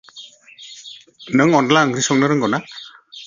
नों अनद्ला ओंख्रि संनो रोंगौ ना?